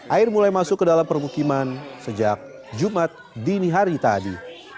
air mulai masuk ke dalam permukiman sejak jumat dini hari tadi